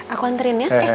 aku anterin ya